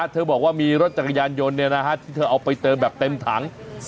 เธอบอกว่ามีรถจักรยานยนต์ที่เธอเอาไปเติมแบบเต็มถัง